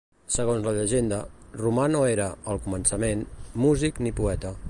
Segons la llegenda, Romà no era, al començament, músic ni poeta.